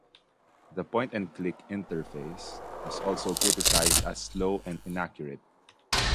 The point-and-click interface was also criticized as slow and inaccurate.